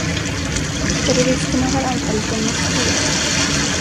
Terroristerna har anfallit en moské.